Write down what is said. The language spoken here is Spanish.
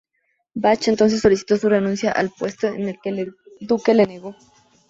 Bach entonces solicitó su renuncia al puesto, que el duque negó.